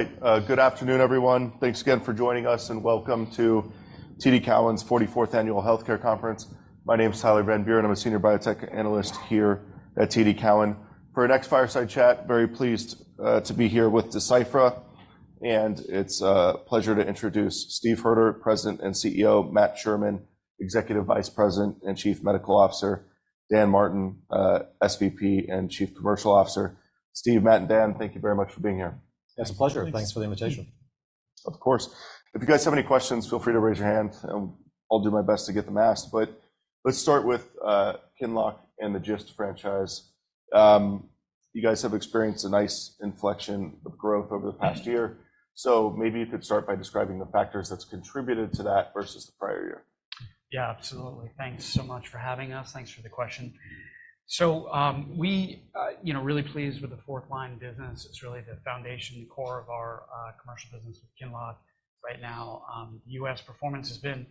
All right. Good afternoon, everyone. Thanks again for joining us, and welcome to TD Cowen's 44th Annual Healthcare Conference. My name is Tyler Van Buren. I'm a senior biotech analyst here at TD Cowen. For our next fireside chat, very pleased to be here with Deciphera, and it's a pleasure to introduce Steve Hoerter, President and CEO, Matt Sherman, Executive Vice President and Chief Medical Officer, Dan Martin, SVP and Chief Commercial Officer. Steve, Matt, and Dan, thank you very much for being here. It's a pleasure. Thanks. Thanks for the invitation. Of course. If you guys have any questions, feel free to raise your hand, and I'll do my best to get them asked. But let's start with QINLOCK and the GIST franchise. You guys have experienced a nice inflection of growth over the past year, so maybe you could start by describing the factors that's contributed to that versus the prior year. Yeah, absolutely. Thanks so much for having us. Thanks for the question. So, you know, really pleased with the fourth line business. It's really the foundation core of our commercial business with QINLOCK right now. US performance has been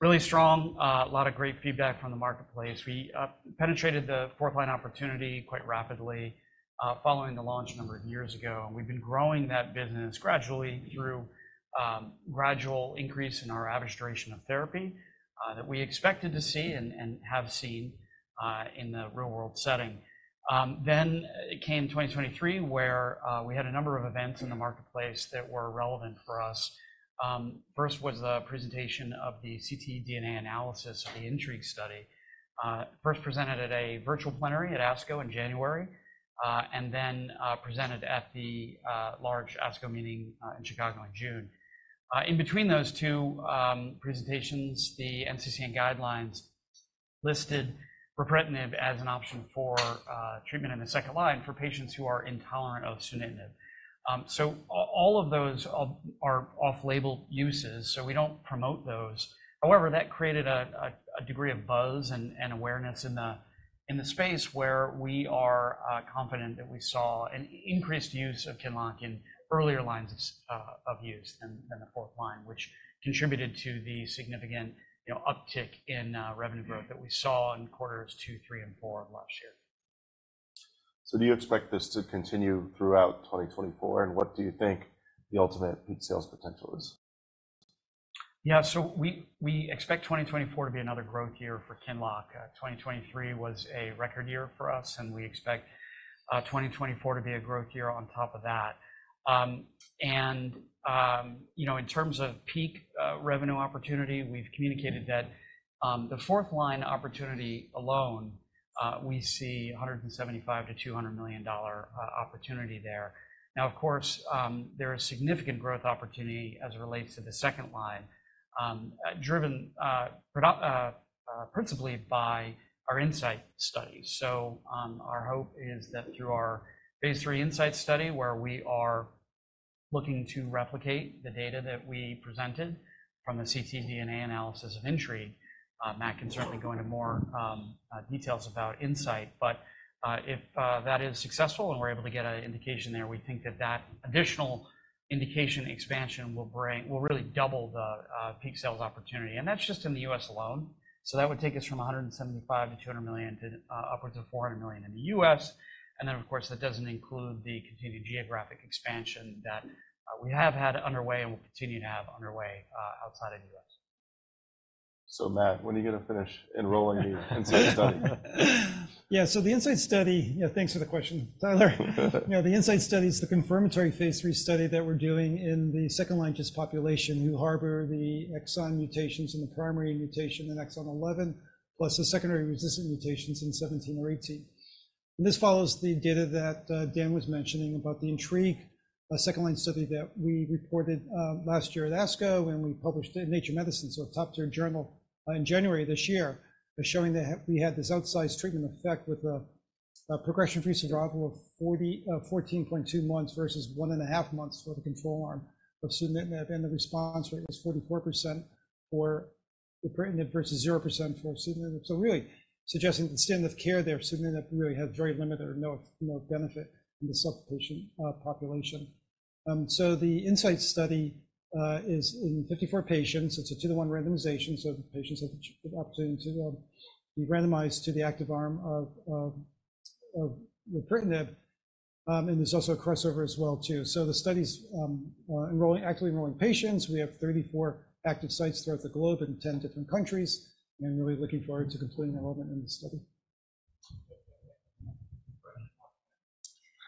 really strong, a lot of great feedback from the marketplace. We penetrated the fourth line opportunity quite rapidly, following the launch a number of years ago, and we've been growing that business gradually through gradual increase in our average duration of therapy that we expected to see and have seen in the real-world setting. Then came 2023, where we had a number of events in the marketplace that were relevant for us. First was the presentation of the ctDNA analysis of the INTRIGUE study, first presented at a virtual plenary at ASCO in January, and then presented at the large ASCO meeting in Chicago in June. In between those two presentations, the NCCN guidelines listed ripretinib as an option for treatment in the second line for patients who are intolerant of sunitinib. So all of those are off-label uses, so we don't promote those. However, that created a degree of buzz and awareness in the space where we are confident that we saw an increased use of QINLOCK in earlier lines of use than the fourth line, which contributed to the significant, you know, uptick in revenue growth that we saw in quarters 2, 3, and 4 of last year. Do you expect this to continue throughout 2024, and what do you think the ultimate peak sales potential is? Yeah. So we expect 2024 to be another growth year for QINLOCK. 2023 was a record year for us, and we expect 2024 to be a growth year on top of that. You know, in terms of peak revenue opportunity, we've communicated that the fourth line opportunity alone we see a $175 to $200 million opportunity there. Now, of course, there is significant growth opportunity as it relates to the second line driven principally by our INSIGHT studies. So our hope is that through our phase III INSIGHT study, where we are looking to replicate the data that we presented from the ctDNA analysis of INTRIGUE, Matt can certainly go into more details about INSIGHT. But, if that is successful, and we're able to get an indication there, we think that that additional indication expansion will bring- will really double the peak sales opportunity, and that's just in the U.S. alone. So that would take us from $175 million to $200 million to upwards of $400 million in the U.S., and then, of course, that doesn't include the continued geographic expansion that we have had underway and will continue to have underway outside of the U.S. So, Matt, when are you gonna finish enrolling the INSIGHT study? Yeah, so the INSIGHT study. Yeah, thanks for the question, Tyler. You know, the INSIGHT study is the confirmatory phase III study that we're doing in the second-line GIST population, who harbor the exon mutations and the primary mutation in exon 11, plus the secondary resistant mutations in 17 or 18. This follows the data that, Dan was mentioning about the INTRIGUE, a second line study that we reported, last year at ASCO, and we published in Nature Medicine, so a top-tier journal in January this year, showing that we had this outsized treatment effect with a, a progression-free survival of 14.2 months versus 1.5 months for the control arm of sunitinib, and the response rate was 44% for ripretinib versus 0% for sunitinib. So really suggesting the standard of care there, sunitinib, really had very limited or no, no benefit in the subpopulation. So the INSIGHT study is in 54 patients. It's a 2-to-1 randomization, so the patients have the opportunity to be randomized to the active arm of ripretinib, and there's also a crossover as well, too. So the study's enrolling, actively enrolling patients. We have 34 active sites throughout the globe in 10 different countries, and we're really looking forward to completing enrollment in the study.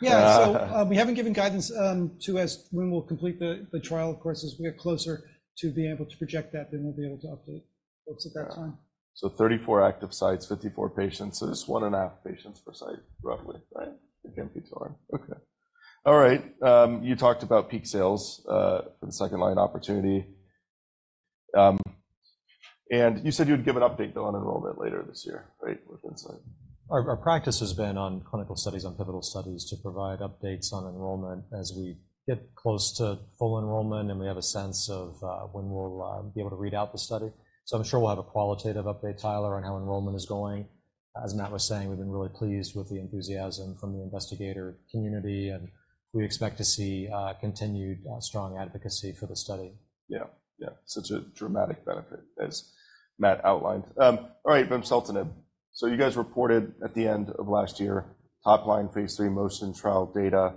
Yeah. So, we haven't given guidance as to when we'll complete the trial. Of course, as we get closer to being able to project that, then we'll be able to update folks at that time. Yeah. So 34 active sites, 54 patients, so it's 1.5 patients per site, roughly, right? It can be two. Okay. All right, you talked about peak sales for the second-line opportunity. And you said you'd give an update, though, on enrollment later this year, right? With INSIGHT. Our practice has been on clinical studies and pivotal studies to provide updates on enrollment as we get close to full enrollment, and we have a sense of when we'll be able to read out the study. So I'm sure we'll have a qualitative update, Tyler, on how enrollment is going. As Matt was saying, we've been really pleased with the enthusiasm from the investigator community, and we expect to see continued strong advocacy for the study. Yeah. Yeah. Such a dramatic benefit, as Matt outlined. All right, vimseltinib. So you guys reported at the end of last year, top line phase III MOTION trial data,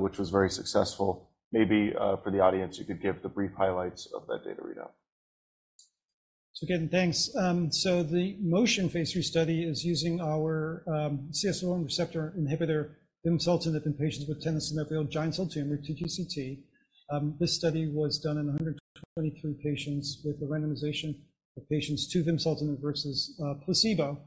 which was very successful. Maybe, for the audience, you could give the brief highlights of that data readout. Again, thanks. The MOTION phase III study is using our CSF1R inhibitor, vimseltinib, in patients with tenosynovial giant cell tumor, TGCT. This study was done in 123 patients, with a randomization of patients to vimseltinib versus placebo.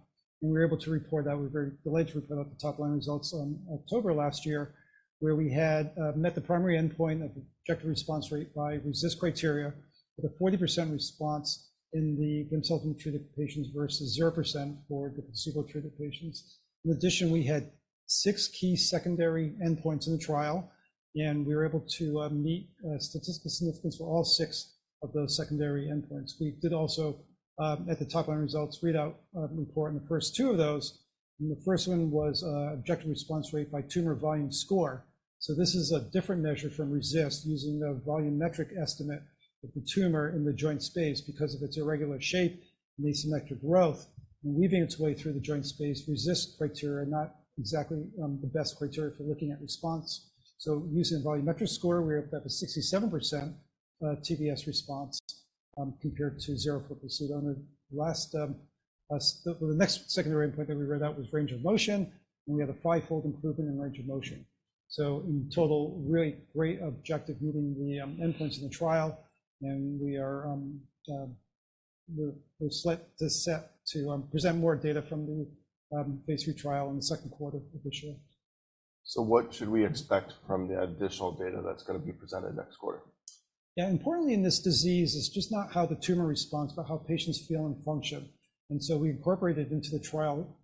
And we're able to report that. We're very delighted to put out the top-line results in October last year, where we had met the primary endpoint of objective response rate by RECIST criteria, with a 40% response in the vimseltinib-treated patients versus 0% for the placebo-treated patients. In addition, we had six key secondary endpoints in the trial, and we were able to meet statistical significance for all six of those secondary endpoints. We did also, at the top-line results, readout, report in the first two of those, and the first one was, objective response rate by tumor volume score. So this is a different measure from RECIST, using the volumetric estimate of the tumor in the joint space because of its irregular shape and asymmetric growth. And weaving its way through the joint space, RECIST criteria are not exactly, the best criteria for looking at response. So using a volumetric score, we're up to 67%, TVS response, compared to 0% for placebo. And the last, so the next secondary endpoint that we read out was range of motion, and we had a fivefold improvement in range of motion. So in total, really great objective meeting the endpoints in the trial, and we're set to present more data from the Phase III trial in the second quarter of this year. What should we expect from the additional data that's gonna be presented next quarter? Yeah, importantly, in this disease, it's just not how the tumor responds, but how patients feel and function. And so we incorporated into the trial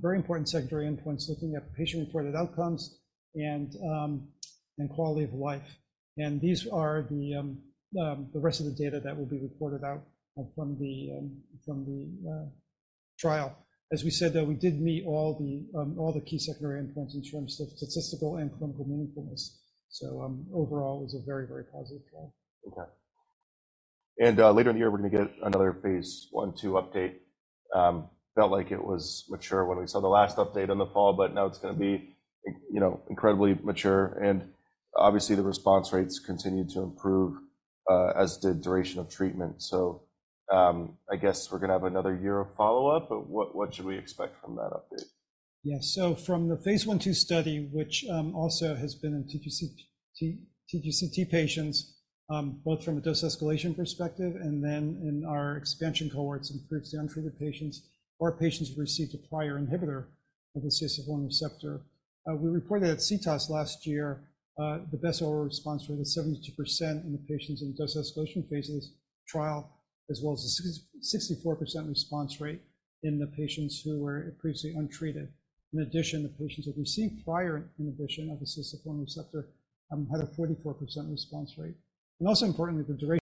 very important secondary endpoints, looking at patient-reported outcomes and quality of life. And these are the rest of the data that will be reported out from the trial. As we said, though, we did meet all the key secondary endpoints in terms of statistical and clinical meaningfulness. So, overall, it was a very, very positive trial. Okay. And later in the year, we're going to get another Phase I/II update. Felt like it was mature when we saw the last update in the fall, but now it's gonna be in, you know, incredibly mature, and obviously, the response rates continued to improve, as did duration of treatment. So, I guess we're going to have another year of follow-up, but what, what should we expect from that update? Yeah. So from the phase I/II study, which also has been in TGCT, TGCT patients, both from a dose escalation perspective and then in our expansion cohorts in previously untreated patients or patients who received a prior inhibitor of the CSF-1 receptor. We reported at CTOS last year, the best overall response rate is 72% in the patients in the dose escalation phases trial, as well as a 64% response rate in the patients who were previously untreated. In addition, the patients that received prior inhibition of the CSF-1 receptor had a 44% response rate. And also importantly, the duration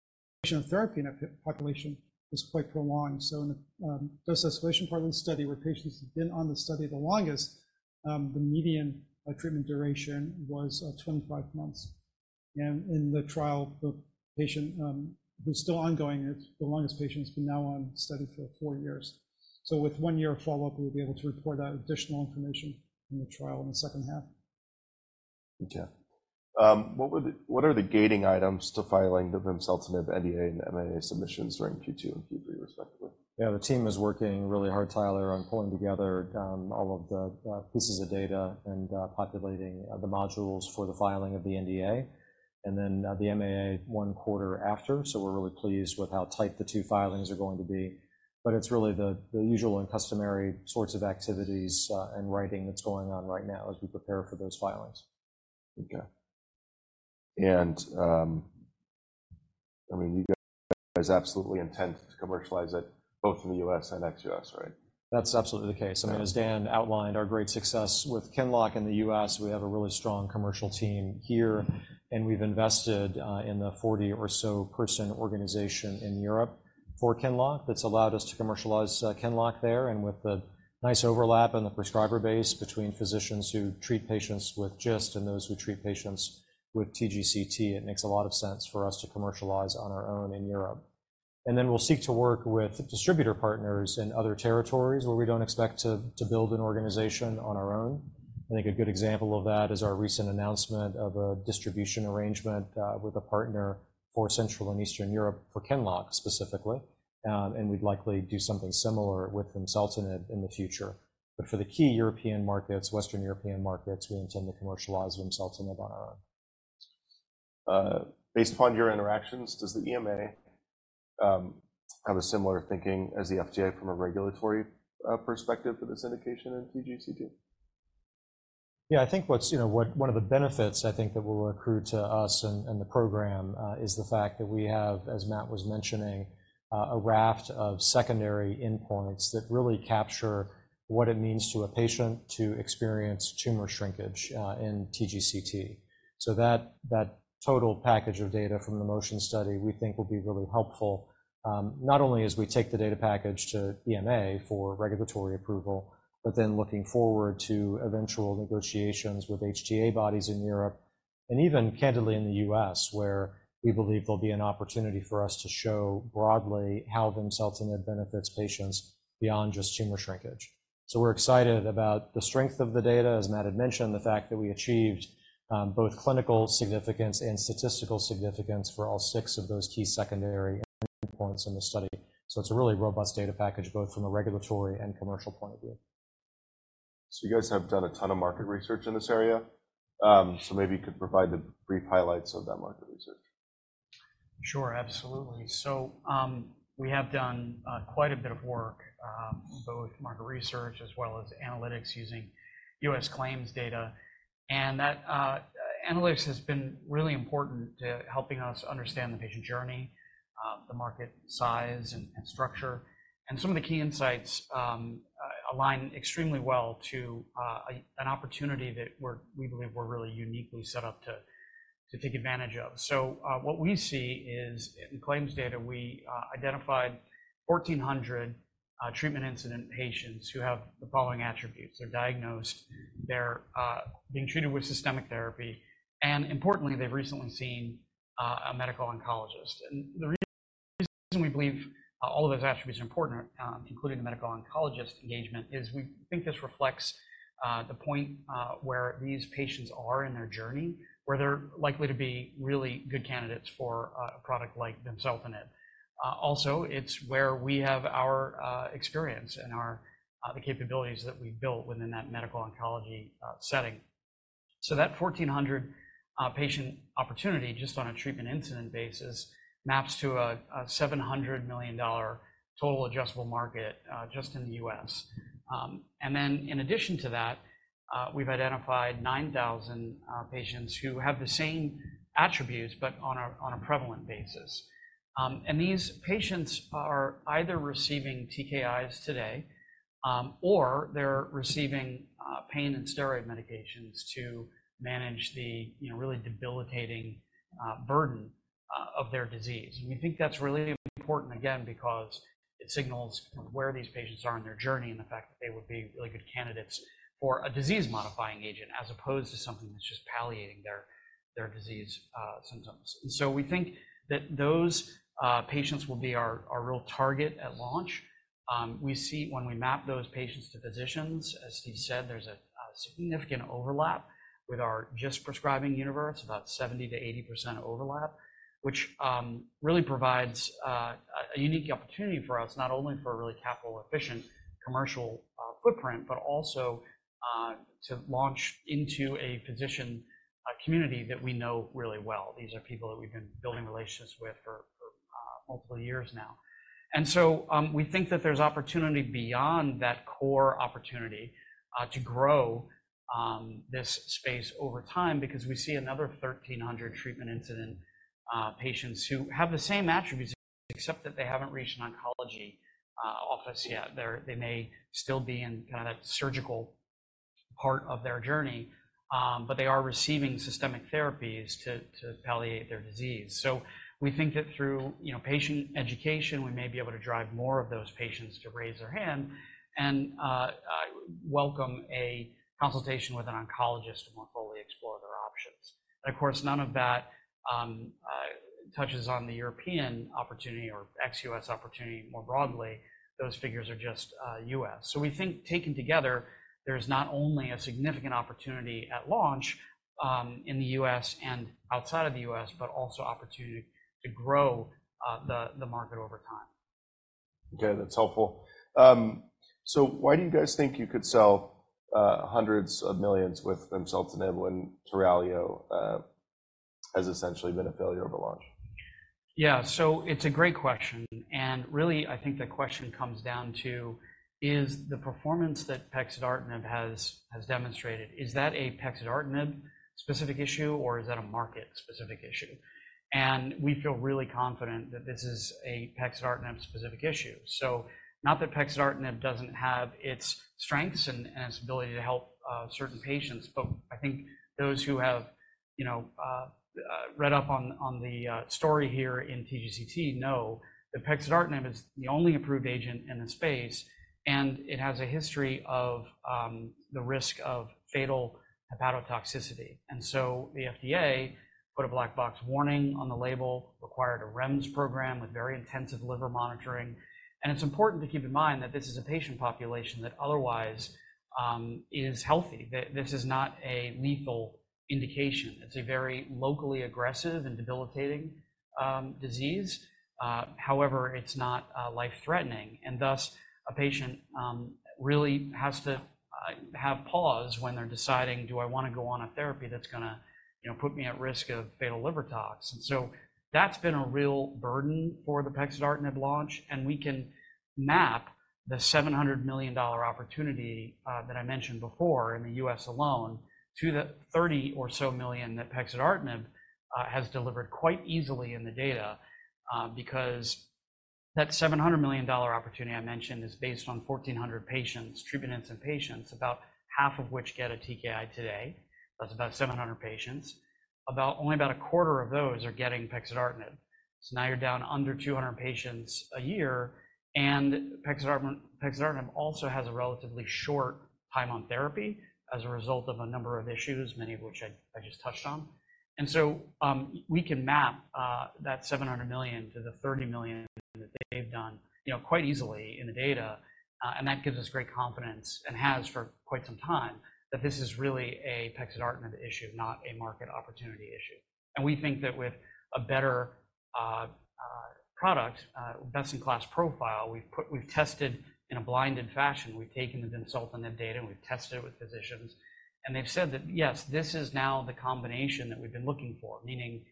of therapy in that population was quite prolonged. So in the dose escalation part of the study, where patients have been on the study the longest, the median treatment duration was 25 months. In the trial, the patient, who's still ongoing, it's the longest patient, has been now on the study for 4 years. With 1 year of follow-up, we'll be able to report out additional information in the trial in the second half. Okay. What are the gating items to filing the vimseltinib NDA and MAA submissions during Q2 and Q3, respectively? Yeah, the team is working really hard, Tyler, on pulling together all of the pieces of data and populating the modules for the filing of the NDA and then the MAA one quarter after. So we're really pleased with how tight the two filings are going to be, but it's really the usual and customary sorts of activities and writing that's going on right now as we prepare for those filings. Okay. And, I mean, you guys are absolutely intent to commercialize it, both in the U.S. and ex-U.S., right? That's absolutely the case. I mean, as Dan outlined, our great success with QINLOCK in the US, we have a really strong commercial team here, and we've invested in the 40 or so person organization in Europe for QINLOCK. That's allowed us to commercialize QINLOCK there, and with the nice overlap in the prescriber base between physicians who treat patients with GIST and those who treat patients with TGCT, it makes a lot of sense for us to commercialize on our own in Europe. And then we'll seek to work with distributor partners in other territories where we don't expect to, to build an organization on our own. I think a good example of that is our recent announcement of a distribution arrangement with a partner for Central and Eastern Europe, for QINLOCK, specifically. And we'd likely do something similar with vimseltinib in the future. For the key European markets, Western European markets, we intend to commercialize vimseltinib on our own. Based upon your interactions, does the EMA have a similar thinking as the FDA from a regulatory perspective for this indication in TGCT? Yeah, I think what one of the benefits I think that will accrue to us and the program is the fact that we have, as Matt was mentioning, a raft of secondary endpoints that really capture what it means to a patient to experience tumor shrinkage in TGCT. So that total package of data from the MOTION study, we think will be really helpful, not only as we take the data package to EMA for regulatory approval But then looking forward to eventual negotiations with HTA bodies in Europe and even candidly in the US, where we believe there'll be an opportunity for us to show broadly how vimseltinib benefits patients beyond just tumor shrinkage. So we're excited about the strength of the data, as Matt had mentioned, the fact that we achieved both clinical significance and statistical significance for all six of those key secondary endpoints in the study. So it's a really robust data package, both from a regulatory and commercial point of view. So you guys have done a ton of market research in this area? So maybe you could provide the brief highlights of that market research. Sure, absolutely. So, we have done quite a bit of work both market research as well as analytics using U.S. claims data. And that analytics has been really important to helping us understand the patient journey, the market size and structure. And some of the key insights align extremely well to an opportunity that we believe we're really uniquely set up to take advantage of. So, what we see is, in claims data, we identified 1,400 treatment incident patients who have the following attributes: they're diagnosed, they're being treated with systemic therapy, and importantly, they've recently seen a medical oncologist. The reason we believe all of those attributes are important, including the medical oncologist engagement, is we think this reflects the point where these patients are in their journey, where they're likely to be really good candidates for a product like vimseltinib. Also, it's where we have our experience and the capabilities that we've built within that medical oncology setting. So that 1,400 patient opportunity, just on a treatment incident basis, maps to a $700 million total addressable market, just in the US. And then in addition to that, we've identified 9,000 patients who have the same attributes, but on a prevalent basis. And these patients are either receiving TKIs today, or they're receiving pain and steroid medications to manage the, you know, really debilitating burden of their disease. And we think that's really important, again, because it signals where these patients are in their journey and the fact that they would be really good candidates for a disease-modifying agent, as opposed to something that's just palliating their disease symptoms. So we think that those patients will be our real target at launch. We see when we map those patients to physicians, as Steve said, there's a significant overlap with our GIST prescribing universe, about 70%-80% overlap, which really provides a unique opportunity for us, not only for a really capital-efficient commercial footprint, but also to launch into a physician community that we know really well. These are people that we've been building relationships with for multiple years now. And so, we think that there's opportunity beyond that core opportunity to grow this space over time because we see another 1,300 treatment incident patients who have the same attributes, except that they haven't reached an oncology office yet. They may still be in kind of that surgical part of their journey, but they are receiving systemic therapies to palliate their disease. So we think that through, you know, patient education, we may be able to drive more of those patients to raise their hand and welcome a consultation with an oncologist to more fully explore their options. And of course, none of that touches on the European opportunity or ex-US opportunity more broadly, those figures are just US. So we think, taken together, there is not only a significant opportunity at launch in the US and outside of the US, but also opportunity to grow the market over time. Okay, that's helpful. So why do you guys think you could sell $hundreds of millions with vimseltinib when TURALIO has essentially been a failure of a launch? Yeah. So it's a great question, and really, I think the question comes down to, is the performance that pexidartinib has, has demonstrated, is that a pexidartinib-specific issue, or is that a market-specific issue? And we feel really confident that this is a pexidartinib-specific issue. So not that pexidartinib doesn't have its strengths and, and its ability to help certain patients, but I think those who have, you know, read up on the story here in TGCT know that pexidartinib is the only approved agent in this space, and it has a history of the risk of fatal hepatotoxicity. And so the FDA put a black box warning on the label, required a REMS program with very intensive liver monitoring. And it's important to keep in mind that this is a patient population that otherwise is healthy. That this is not a lethal indication. It's a very locally aggressive and debilitating disease. However, it's not life-threatening, and thus, a patient really has to have pause when they're deciding, "Do I wanna go on a therapy that's gonna, you know, put me at risk of fatal liver tox?" And so that's been a real burden for the pexidartinib launch, and we can map the $700 million opportunity that I mentioned before in the U.S. alone, to the $30 or so million that pexidartinib has delivered quite easily in the data. Because that $700 million opportunity I mentioned is based on 1,400 patients, treatment incident patients, about half of which get a TKI today. That's about 700 patients. Only about a quarter of those are getting pexidartinib. So now you're down under 200 patients a year, and pexidartinib, pexidartinib also has a relatively short time on therapy as a result of a number of issues, many of which I just touched on. And so, we can map that $700 million to the $30 million that they've done, you know, quite easily in the data, and that gives us great confidence, and has for quite some time, that this is really a pexidartinib issue, not a market opportunity issue. And we think that with a better product, best-in-class profile, we've put we've tested in a blinded fashion. We've taken the vimseltinib data, and we've tested it with physicians, and they've said that, "Yes, this is now the combination that we've been looking for." Meaning,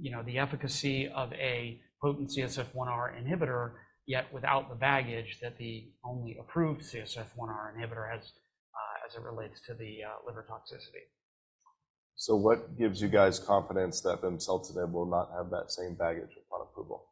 you know, the efficacy of a potent CSF1R inhibitor, yet without the baggage that the only approved CSF1R inhibitor has, as it relates to the liver toxicity. What gives you guys confidence that vimseltinib will not have that same baggage upon approval?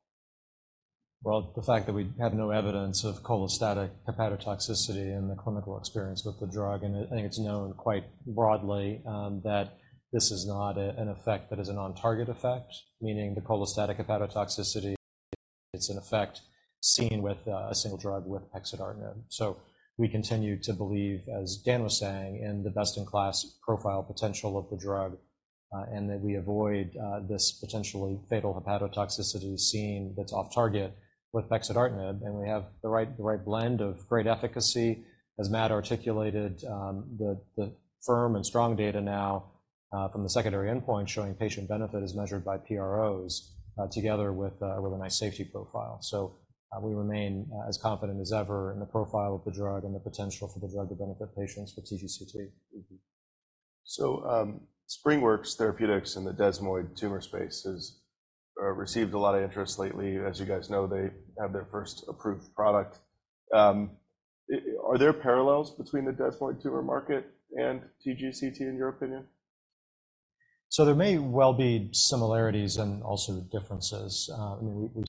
Well, the fact that we have no evidence of cholestatic hepatotoxicity in the clinical experience with the drug, and I think it's known quite broadly, that this is not an effect that is a non-target effect, meaning the cholestatic hepatotoxicity, it's an effect seen with a single drug with pexidartinib. So we continue to believe, as Dan was saying, in the best-in-class profile potential of the drug, and that we avoid this potentially fatal hepatotoxicity seen that's off target with pexidartinib, and we have the right blend of great efficacy, as Matt articulated, the firm and strong data now from the secondary endpoint, showing patient benefit as measured by PROs, together with a nice safety profile. We remain as confident as ever in the profile of the drug and the potential for the drug to benefit patients with TGCT. So, SpringWorks Therapeutics in the desmoid tumor space has received a lot of interest lately. As you guys know, they have their first approved product. Are there parallels between the desmoid tumor market and TGCT, in your opinion? So there may well be similarities and also differences. I mean, we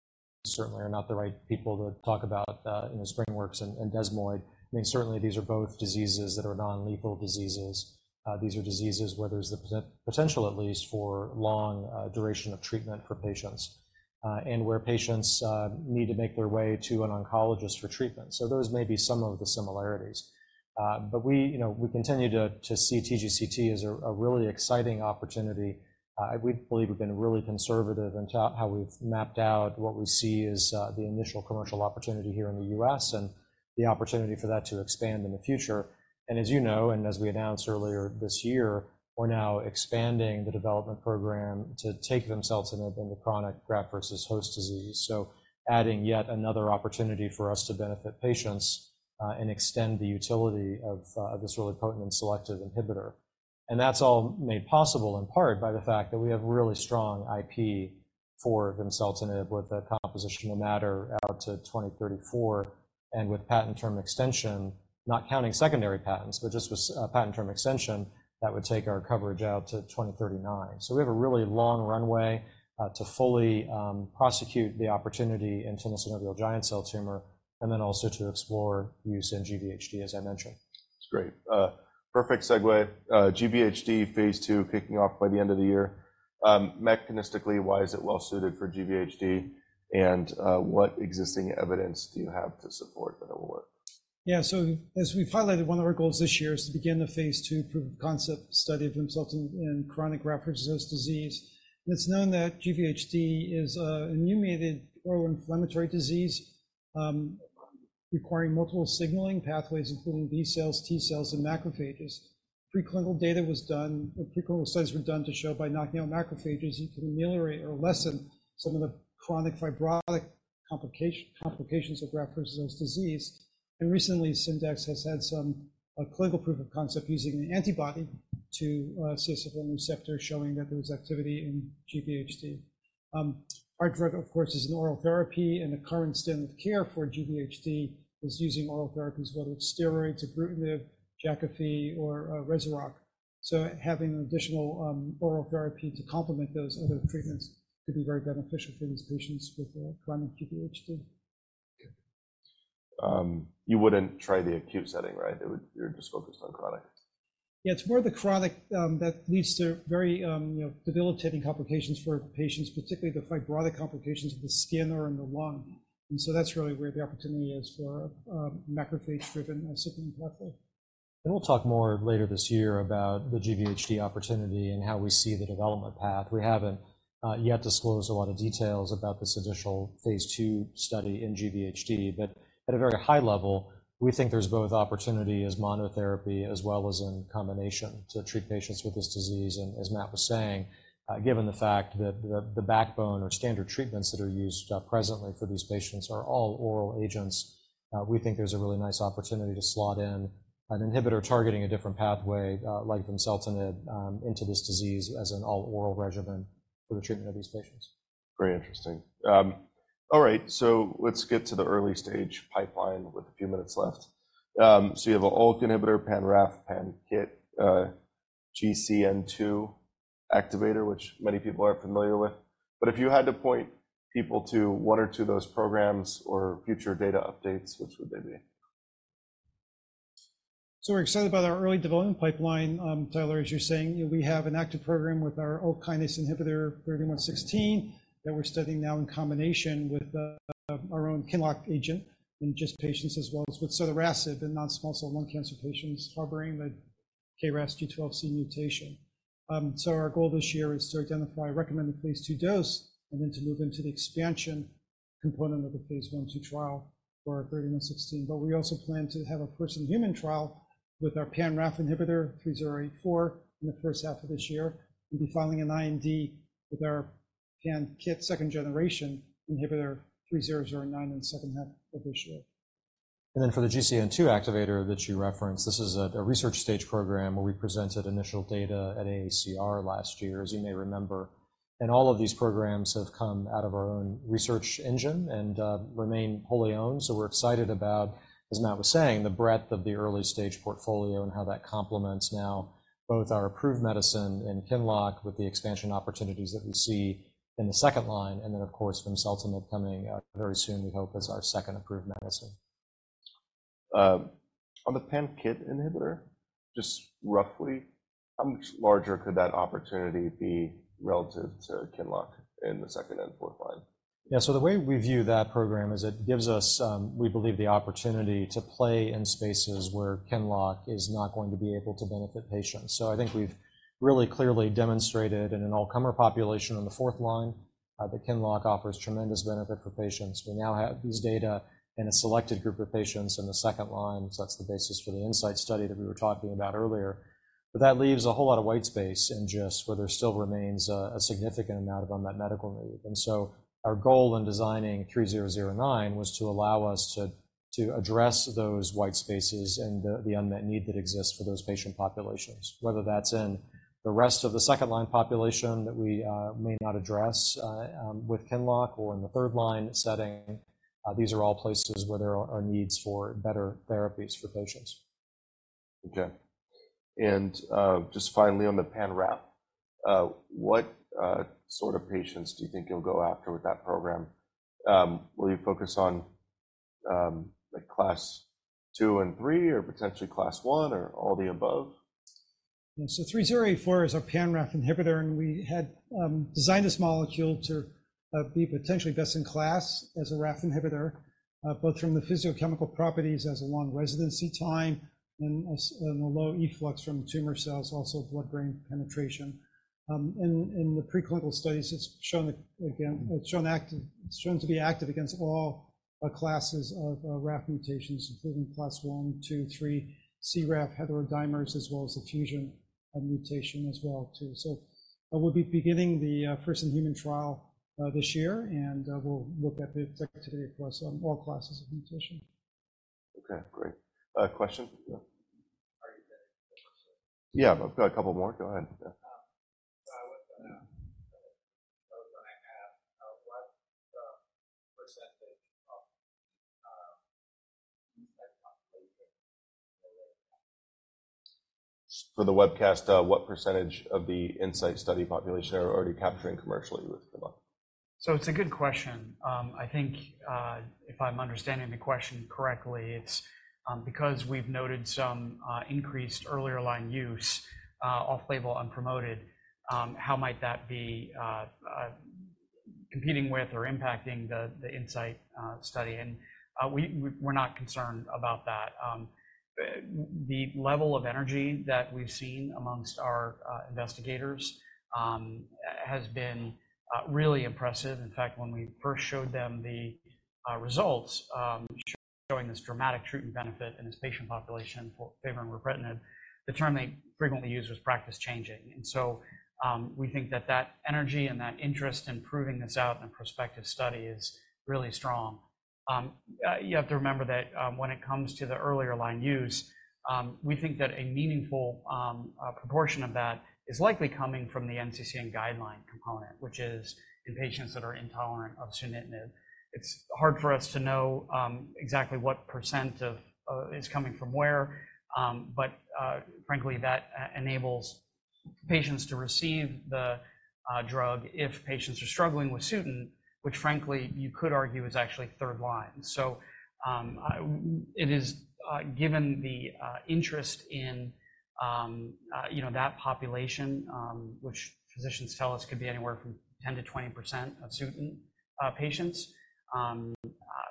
certainly are not the right people to talk about, you know, SpringWorks and desmoid. I mean, certainly these are both diseases that are non-lethal diseases. These are diseases where there's the potential, at least, for long duration of treatment for patients, and where patients need to make their way to an oncologist for treatment. So those may be some of the similarities. But we, you know, we continue to see TGCT as a really exciting opportunity. We believe we've been really conservative in how we've mapped out what we see as the initial commercial opportunity here in the US and the opportunity for that to expand in the future. As you know, and as we announced earlier this year, we're now expanding the development program to take vimseltinib into chronic graft-versus-host disease. So adding yet another opportunity for us to benefit patients and extend the utility of this really potent and selective inhibitor. And that's all made possible, in part, by the fact that we have really strong IP for vimseltinib, with a composition of matter out to 2034, and with patent term extension, not counting secondary patents, but just with patent term extension, that would take our coverage out to 2039. So we have a really long runway to fully prosecute the opportunity in tenosynovial giant cell tumor and then also to explore use in GVHD, as I mentioned. That's great. Perfect segue. GVHD phase II kicking off by the end of the year. Mechanistically, why is it well suited for GVHD, and what existing evidence do you have to support that it will work? Yeah, so as we've highlighted, one of our goals this year is to begin the phase II proof of concept study of vimseltinib in chronic graft-versus-host disease. It's known that GVHD is a, an immune-mediated pro-inflammatory disease, requiring multiple signaling pathways, including B cells, T cells, and macrophages. Preclinical data was done or preclinical studies were done to show by knocking out macrophages, you can ameliorate or lessen some of the chronic fibrotic complications of graft-versus-host disease. And recently, Syndax has had some clinical proof of concept using an antibody to CSF-1 receptor showing that there was activity in GVHD. Our drug, of course, is an oral therapy, and the current standard of care for GVHD is using oral therapies, whether it's steroids, ibrutinib, Jakafi, or REZUROCK. So having an additional oral therapy to complement those other treatments could be very beneficial for these patients with chronic GVHD. You wouldn't try the acute setting, right? It would. You're just focused on chronic. Yeah, it's more of the chronic that leads to very, you know, debilitating complications for patients, particularly the fibrotic complications of the skin or in the lung. And so that's really where the opportunity is for, macrophage-driven signaling pathway. We'll talk more later this year about the GVHD opportunity and how we see the development path. We haven't yet disclosed a lot of details about this initial phase II study in GVHD, but at a very high level, we think there's both opportunity as monotherapy as well as in combination to treat patients with this disease. As Matt was saying, given the fact that the backbone or standard treatments that are used presently for these patients are all oral agents, we think there's a really nice opportunity to slot in an inhibitor targeting a different pathway, like vimseltinib, into this disease as an all-oral regimen for the treatment of these patients. Very interesting. All right, so let's get to the early-stage pipeline with a few minutes left. So you have an AULK inhibitor, Pan-RAF, Pan-KIT, GCN2 activator, which many people are familiar with. But if you had to point people to one or two of those programs or future data updates, which would they be? So we're excited about our early development pipeline. Tyler, as you're saying, we have an active program with our ULK kinase inhibitor, DCC-3116, that we're studying now in combination with our own QINLOCK agent in GIST patients, as well as with cetuximab in non-small cell lung cancer patients harboring the KRAS G12C mutation. So our goal this year is to identify recommended phase II dose, and then to move into the expansion component of the phase I/II trial for DCC-3116. But we also plan to have a first human trial with our pan-RAF inhibitor, DCC-3084, in the first half of this year. We'll be filing an IND with our pan-KIT second generation inhibitor, DCC-3009, in the second half of this year. And then for the GCN2 activator that you referenced, this is a research stage program where we presented initial data at AACR last year, as you may remember. And all of these programs have come out of our own research engine and remain wholly owned. So we're excited about, as Matt was saying, the breadth of the early-stage portfolio and how that complements now both our approved medicine in QINLOCK with the expansion opportunities that we see in the second line, and then, of course, vimseltinib coming up very soon, we hope, as our second approved medicine. On the Pan-KIT inhibitor, just roughly, how much larger could that opportunity be relative to QINLOCK in the second and fourth line? Yeah. So the way we view that program is it gives us, we believe, the opportunity to play in spaces where QINLOCK is not going to be able to benefit patients. So I think we've really clearly demonstrated in an all-comer population in the fourth line, that QINLOCK offers tremendous benefit for patients. We now have these data in a selected group of patients in the second line, so that's the basis for the INSIGHT study that we were talking about earlier. But that leaves a whole lot of white space, and just where there still remains a significant amount of unmet medical need. And so, our goal in designing DCC-3009, was to allow us to address those white spaces and the unmet need that exists for those patient populations. Whether that's in the rest of the second line population that we may not address with QINLOCK, or in the third line setting, these are all places where there are needs for better therapies for patients. Okay. And, just finally, on the Pan-RAF, what sort of patients do you think you'll go after with that program? Will you focus on, like, Class II and III, or potentially Class I, or all the above? So DCC-3084 is our Pan-RAF inhibitor, and we had designed this molecule to be potentially best in class as a RAF inhibitor, both from the physicochemical properties as a long residency time and a low efflux from tumor cells, also blood-brain penetration. And in the preclinical studies, it's shown to be active against all classes of RAF mutations, including Class I, II, III, CRAF heterodimers, as well as the fusion mutation as well, too. So, we'll be beginning the first human trial this year, and we'll look at the activity across all classes of mutation. Okay, great. Question? Are you done? Yeah, I've got a couple more. Go ahead. I was gonna ask what percentage of the population? For the webcast, what percentage of the INSIGHT study population are already capturing commercially with QINLOCK? So it's a good question. I think, if I'm understanding the question correctly, it's because we've noted some increased earlier line use, off-label, unpromoted, how might that be competing with or impacting the INSIGHT study? And we're not concerned about that. The level of energy that we've seen amongst our investigators has been really impressive. In fact, when we first showed them the results, showing this dramatic treatment benefit in this patient population for ripretinib, the term they frequently used was practice-changing. And so, we think that that energy and that interest in proving this out in a prospective study is really strong. You have to remember that, when it comes to the earlier line use, we think that a meaningful proportion of that is likely coming from the NCCN guideline component, which is in patients that are intolerant of sunitinib. It's hard for us to know exactly what percent of is coming from where, but frankly, that enables patients to receive the drug if patients are struggling with Sutent, which frankly, you could argue is actually third line. Given the interest in, you know, that population, which physicians tell us could be anywhere from 10%-20% of Sutent patients,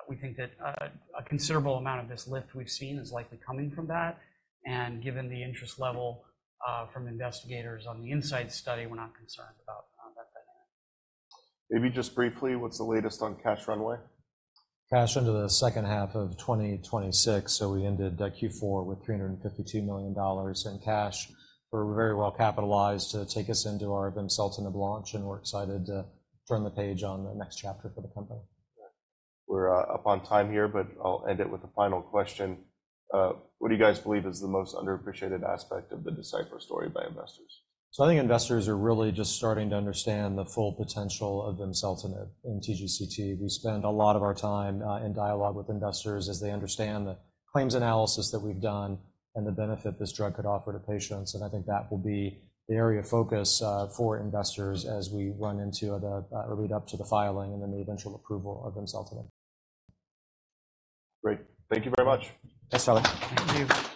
we think that a considerable amount of this lift we've seen is likely coming from that, and given the interest level from investigators on the INSIGHT study, we're not concerned about that dynamic. Maybe just briefly, what's the latest on cash runway? Cash into the second half of 2026, so we ended Q4 with $352 million in cash. We're very well capitalized to take us into our vimseltinib launch, and we're excited to turn the page on the next chapter for the company. We're up on time here, but I'll end it with a final question. What do you guys believe is the most underappreciated aspect of the Deciphera story by investors? So I think investors are really just starting to understand the full potential of vimseltinib in TGCT. We spend a lot of our time in dialogue with investors as they understand the claims analysis that we've done and the benefit this drug could offer to patients, and I think that will be the area of focus for investors as we run into the lead up to the filing and then the eventual approval of vimseltinib. Great. Thank you very much. Thanks, Tyler. Thank you.